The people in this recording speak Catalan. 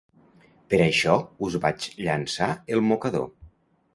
Per això us vaig llançar el mocador.